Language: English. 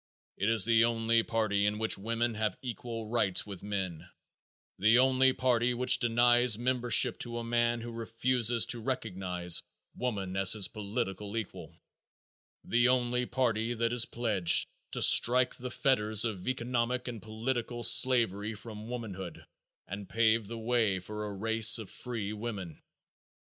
It is the only party in which women have equal rights with men, the only party which denies membership to a man who refuses to recognize woman as his political equal, the only party that is pledged to strike the fetters of economic and political slavery from womanhood and pave the way for a race of free women.